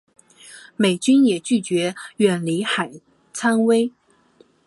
美军也拒绝远离海参崴。